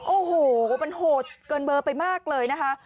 โอ้โหมันห่วงเกินเบ้อไปมากเลยนะฮะ